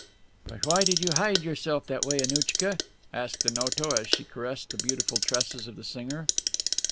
"But why did you hide yourself that way, Annouchka?" asked Onoto as she caressed the beautiful tresses of the singer.